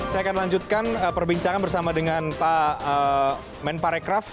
saya akan lanjutkan perbincangan bersama dengan pak men parekraf